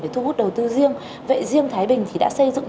để thu hút đầu tư riêng vậy riêng thái bình thì đã xây dựng